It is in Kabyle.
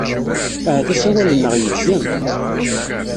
Ahat asawal-nneɣ yegzem!